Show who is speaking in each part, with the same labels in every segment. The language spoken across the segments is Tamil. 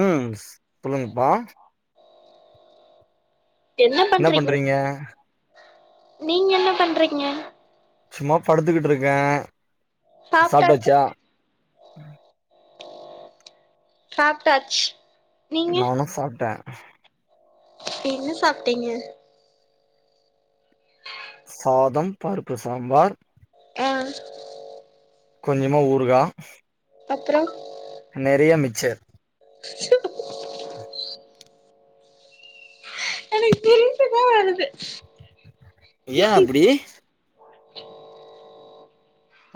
Speaker 1: ம் சொல்லுங்ப்பா என்ன பண்றீங்க
Speaker 2: நீங்கென்ன பண்றீங்க
Speaker 1: சும்மா படுத்துக்கிட்டு இருக்க
Speaker 2: சாப்ட்டாச்சா சாப்ட்டாச்சு நீங்க
Speaker 1: நானு சாப்ட்ட
Speaker 2: என்ன சாப்ட்டீங்க
Speaker 1: சாதம் பருப்பு சாம்பார்
Speaker 2: ஆ
Speaker 1: கொஞ்சமா ஊருகா
Speaker 2: அப்பற
Speaker 1: நெறைய மிச்சர்
Speaker 2: எனக்கு சிரிப்புதா வருது
Speaker 1: எய அப்டி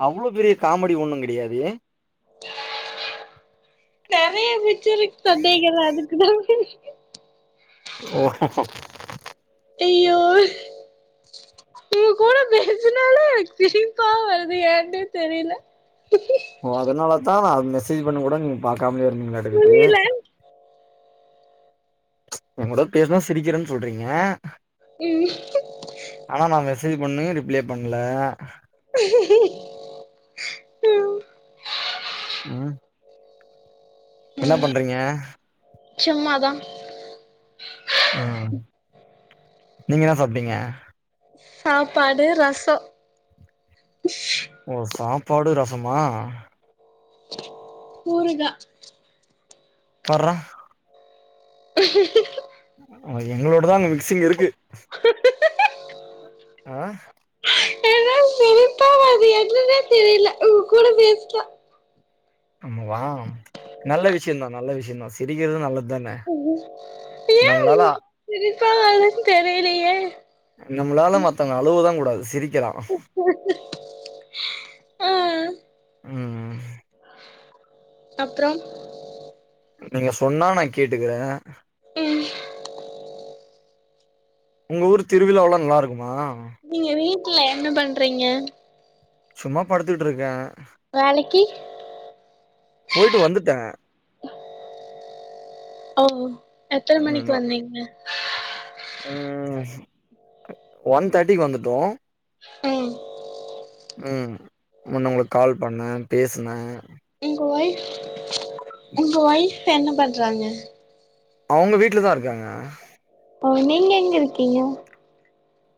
Speaker 1: அவ்ளோ பெரிய காமடி ஒண்ணு கிடையாதே
Speaker 2: நெறைய மிச்சர் இருக்கு சொன்னீங்கள அதுக்குதா [unintelligible]
Speaker 1: ஓ
Speaker 2: அய்யோ உங்க கூட பேசுனாளே எனக் சிரிப்பா வருது எயன்னே தெரில [inaudible]
Speaker 1: ஓ அதனால தா நா அத மெசேஜ் பண்ண பொது கூட நீங்க பா்க்காமேலே இருந்தீங்களாட்டுருக்குது
Speaker 2: புரில
Speaker 1: எய கூட பேசுனா சிரிக்கிரன்னு சொல்றீங்க
Speaker 2: ம்
Speaker 1: ஆனா நா மெசேஜ் பண்ணியு ரிப்லே பண்ல
Speaker 2: ம்
Speaker 1: ம் என்ன பண்றீங்க
Speaker 2: சும்மா தா
Speaker 1: ம் நீங்க என்ன சாப்டிங்க
Speaker 2: சாப்பாடு ரஷோ
Speaker 1: ஒ சாப்பாடு ரசமா
Speaker 2: ஊருகா
Speaker 1: பார்றா
Speaker 2: [inaudible]
Speaker 1: அ எங்களோடதா அங்க மிக்சிங் இருக்கு ஆ
Speaker 2: அது என்னனே தெரில உங்க கூட பேசுனா
Speaker 1: வா நல்ல விஷய தா நல்ல விஷய தா சிரிக்கிறது நல்லது தான
Speaker 2: உ எய
Speaker 1: நம்மளால
Speaker 2: உங்களுக்கு சிரிப்பா வர்த்ன்னு தெரிலயே
Speaker 1: நம்மளால மத்தவங்க அழுவதா கூடாது சிரிக்கலா
Speaker 2: [inaudible]
Speaker 1: ம்
Speaker 2: அப்பறம்
Speaker 1: நீங்க சொன்னா நா கேட்டுக்ற
Speaker 2: ம்
Speaker 1: உங்க ஊர் திருவிழாளா நல்லாருக்குமா
Speaker 2: நீங்க வீட்டுல என்ன பண்றீங்க
Speaker 1: சும்மா படுத்துட்டு இருக்கே
Speaker 2: வேலக்கி
Speaker 1: போயிட்டு வந்துட்டே
Speaker 2: ஓ எத்தன மணிக்கு
Speaker 1: ம்
Speaker 2: வந்தீங்க
Speaker 1: ம் ஒன் தேட்டிக்கு வந்துட்டோ
Speaker 2: ம்
Speaker 1: ம் முன்னெ உங்களுக்கு கால் பண்ணே பேஸ்னே
Speaker 2: உங்க வொய்ஃப் உங்க வொய்ஃப் என்ன பண்றாங்க
Speaker 1: அவங்க வீட்ல தா இருக்காங்க
Speaker 2: ஓ நீங்க எங்க இருக்கீங்க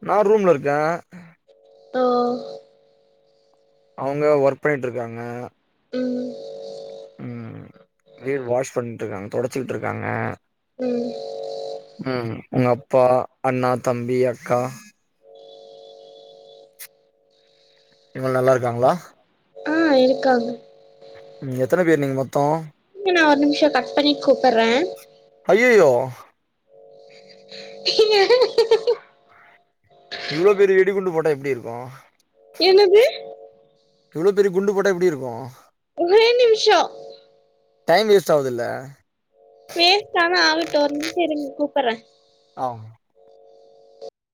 Speaker 1: நா ரூம்ல இருக்கே
Speaker 2: ஓ
Speaker 1: அவங்க ஒர்க் பண்ணிட்டுருக்காங்க
Speaker 2: ம்
Speaker 1: ம் வீடு வாஷ் பண்ணிட்டு இருக்காங்க தொடச்சுக்கிட்டு இருக்காங்க
Speaker 2: ம்
Speaker 1: ம் உங்க அப்பா அண்ணா தம்பி அக்கா இவங்க நல்லா இருக்காங்களா
Speaker 2: ஆ இருக்காங்க
Speaker 1: ம் எத்தன பேர் நீங்க மொத்தோ
Speaker 2: ங்க நா ஒரு நிமிஷோ கட் பண்ணிட்டு கூப்பட்றே
Speaker 1: அய்யய்யோ
Speaker 2: என்னங்
Speaker 1: இவ்ளோ பெரிய வெடிகுண்டு போட்டா எப்டி இருக்கோ
Speaker 2: என்னது
Speaker 1: இவ்ளோ பெரிய குண்டு போட்டா எப்டி இருக்கோ
Speaker 2: ஒரே நிமிஷொ
Speaker 1: டைம் வேஸ்ட் ஆகுதில்ல
Speaker 2: போஸ்ட்டானா ஆகட்டும் ஒரு நிமிஷொ இருங்க கூப்பற்றே
Speaker 1: ஆ